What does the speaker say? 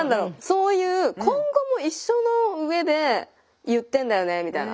そういう今後も一緒のうえで言ってんだよねみたいな。